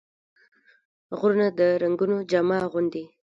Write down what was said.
غرونه د رنګونو جامه اغوندي